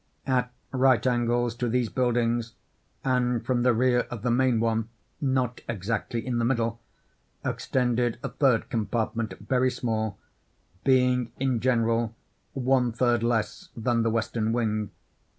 At right angles to these buildings, and from the rear of the main one—not exactly in the middle—extended a third compartment, very small—being, in general, one third less than the western wing.